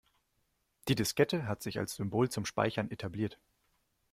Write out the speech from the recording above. Die Diskette hat sich als Symbol zum Speichern etabliert.